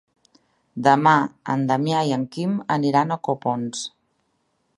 Demà en Damià i en Quim aniran a Copons.